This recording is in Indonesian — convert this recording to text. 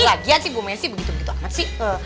lagian sih bu messi begitu begitu amat sih